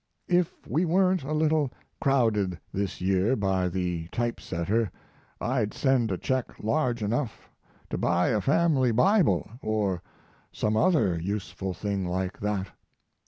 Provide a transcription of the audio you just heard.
If we weren't a little crowded this year by the type setter I'd send a check large enough to buy a family Bible or some other useful thing like that.